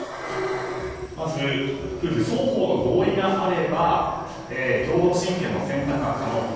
まず、夫婦双方の合意があれば共同親権も選択が可能と。